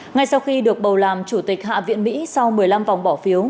ngay sau khi được bầu làm chủ tịch hạ viện mỹ sau một mươi năm vòng bỏ phiếu